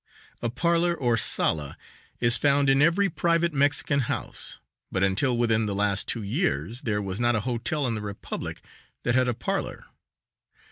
A parlor, or sala, is found in every private Mexican house, but until within the last two years there was not a hotel in the Republic that had a parlor.